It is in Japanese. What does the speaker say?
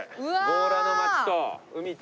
強羅の町と海と。